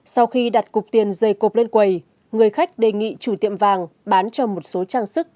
sau khi đặt cục tiền dày cộp lên quầy người khách đề nghị chủ tiệm vàng bán cho một số trang sức